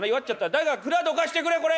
誰か蔵どかしてくれこれ！